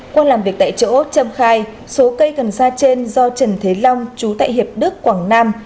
qua làm việc tại chỗ trâm khai số cây cần sa trên do trần thế long chú tại hiệp đức quảng nam